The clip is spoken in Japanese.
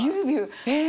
え。